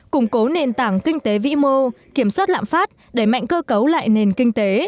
củng cố nền tảng kinh tế vĩ mô kiểm soát lạm phát đẩy mạnh cơ cấu lại nền kinh tế